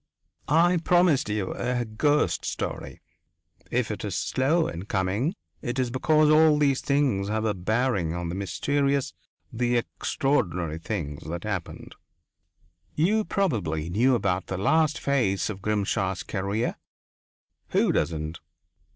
I promised you a ghost story. If it is slow in coming, it is because all these things have a bearing on the mysterious, the extraordinary things that happened You probably know about the last phase of Grimshaw's career who doesn't?